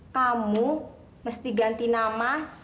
kamu mesti ganti nama